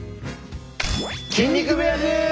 筋肉部屋です！